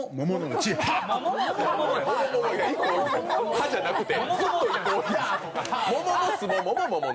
「ハッ」じゃなくて。